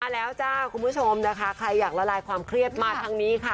แล้วจ้าคุณผู้ชมนะคะใครอยากละลายความเครียดมาทางนี้ค่ะ